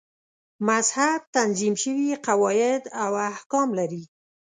مذهب تنظیم شوي قواعد او احکام لري.